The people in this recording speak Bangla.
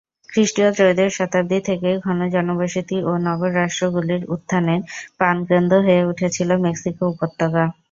খ্রিস্টীয় ত্রয়োদশ শতাব্দী থেকে ঘন জনবসতি ও নগর-রাষ্ট্রগুলির উত্থানের প্রাণকেন্দ্র হয়ে উঠেছিল মেক্সিকো উপত্যকা।